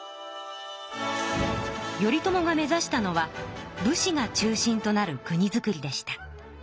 頼朝が目ざしたのは武士が中心となる国づくりでした。